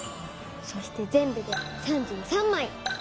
そしてぜんぶで３３まい。